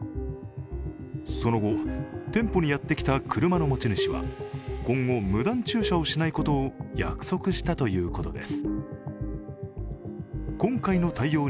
その後、店舗にやってきた車の持ち主は今後、無断駐車をしないことを約束したということです。